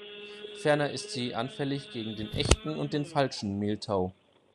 Ferner ist sie anfällig gegen den Echten und den Falschen Mehltau.